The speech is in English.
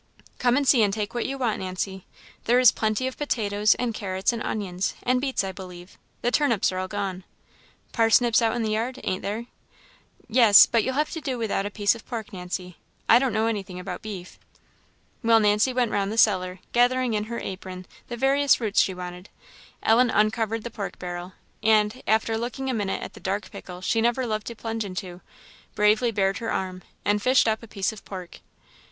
"Come and see, and take what you want, Nancy; there is plenty of potatoes and carrots and onions, and beets, I believe the turnips are all gone." "Parsnips out in the yard, ain't there?" "Yes, but you'll have to do with a piece of pork, Nancy; I don't know anything about beef." While Nancy went round the cellar, gathering in her apron the various roots she wanted, Ellen uncovered the pork barrel, and, after looking a minute at the dark pickle she never loved to plunge into, bravely bared her arm, and fished up a piece of pork.